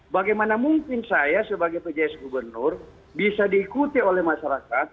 bagaimana mungkin saya sebagai pjs gubernur bisa diikuti oleh masyarakat